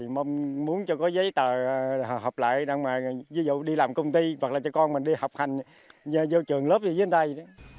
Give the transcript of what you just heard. mong muốn có giấy tờ để họp lại ví dụ đi làm công ty hoặc là cho con mình đi học hành vô trường lớp gì đến đây